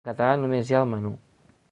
En català només hi ha el menú.